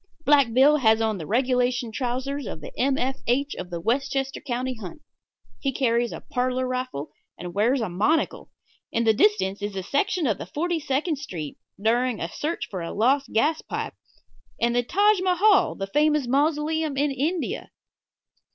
Black Bill has on the regulation trousers of the M. F. H. of the Westchester County Hunt. He carries a parlor rifle, and wears a monocle. In the distance is a section of Forty second Street during a search for a lost gas pipe, and the Taj Mahal, the famous mausoleum in India.